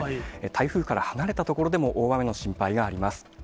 台風から離れた所でも大雨の心配があります。